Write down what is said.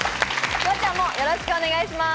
フワちゃんもよろしくお願いします。